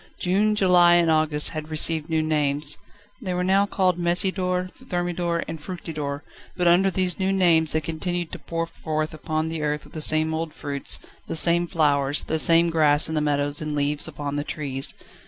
June, July, and August had received new names they were now called Messidor, Thermidor, and Fructidor, but under these new names they continued to pour forth upon the earth the same old fruits, the same flowers, the same grass in the meadows and leaves upon the trees.